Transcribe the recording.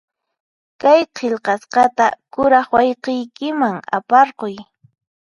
Kay qillqasqata kuraq wayqiykiman aparquy.